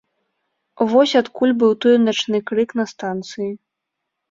Вось адкуль быў той начны крык на станцыі.